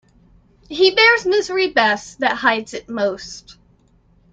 He bears misery best that hides it most.